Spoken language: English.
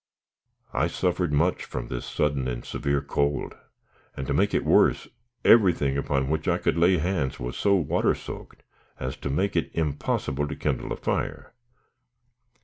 I suffered much from this sudden and severe cold; and to make it worse, everything upon which I could lay hands was so water soaked as to make it impossible to kindle a fire.